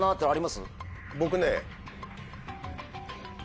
僕ね。